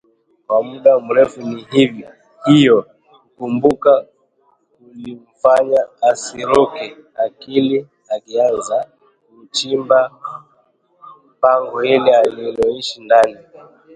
Kwa muda mrefu ni hiyo kukumbuka kulimfanya asiruke akili akianza kuchimba pango hili aliyoishi ndani